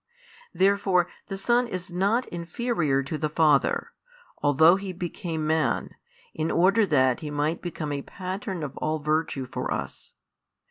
Therefore the Son is not inferior to the Father, although He became Man, in order that He might become a Pattern of all virtue for us.